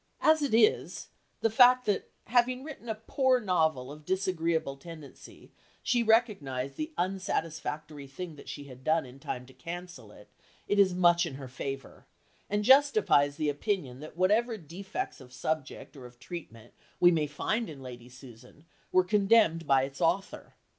As it is, the fact that having written a poor novel of disagreeable tendency she recognized the unsatisfactory thing that she had done in time to cancel it is much in her favour, and justifies the opinion that whatever defects of subject or of treatment we may find in Lady Susan were condemned by its author.